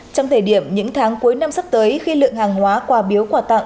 trong thời điểm những tháng cuối năm sắp tới khi lượng hàng hóa quà biếu quà tặng